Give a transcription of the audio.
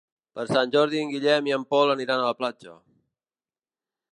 Per Sant Jordi en Guillem i en Pol aniran a la platja.